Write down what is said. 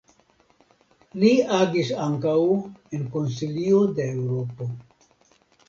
Li agis ankaŭ en Konsilio de Eŭropo.